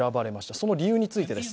その理由についてです。